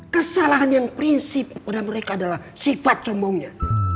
kesalahan yang prinsip pada mereka adalah sifat combongnya